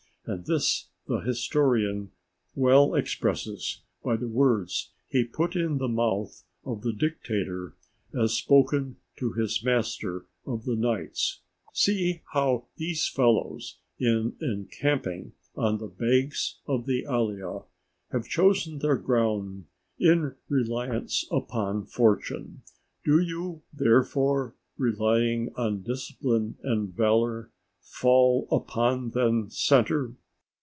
And this the historian well expresses by the words he puts in the mouth of the dictator as spoken to his master of the knights "_See how these fellows, in encamping on the banks of the Allia, have chosen their ground in reliance upon fortune. Do you, therefore, relying on discipline and valour, fall upon then centre.